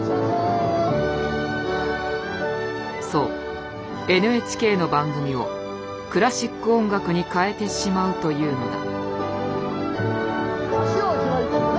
そうＮＨＫの番組をクラシック音楽に変えてしまうというのだ。